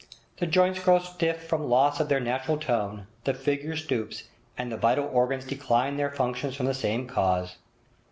'The joints grow stiff from loss of their natural tone, the figure stoops, and the vital organs decline their functions from the same cause.